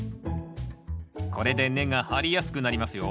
これで根が張りやすくなりますよ。